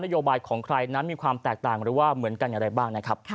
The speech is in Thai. โยบายของใครนั้นมีความแตกต่างหรือว่าเหมือนกันอย่างไรบ้างนะครับ